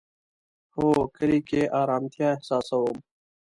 هو، کلی کی ارامتیا احساسوم